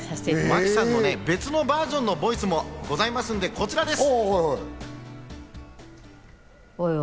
真木さんの別のバージョンのボイスもありますので、こちらです。